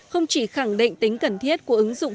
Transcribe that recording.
không chỉ khẳng định tính cần thiết của ứng dụng